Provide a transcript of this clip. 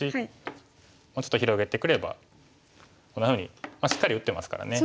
もうちょっと広げてくればこんなふうにしっかり打ってますからね。